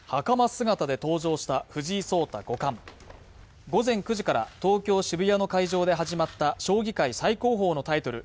姿で登場した藤井聡太五冠午前９時から東京渋谷の会場で始まった将棋界最高峰のタイトル